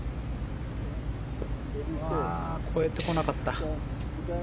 越えてこなかった。